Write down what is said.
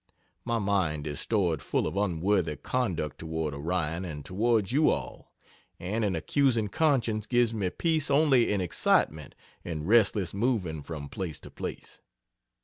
My mind is stored full of unworthy conduct toward Orion and towards you all, and an accusing conscience gives me peace only in excitement and restless moving from place to place.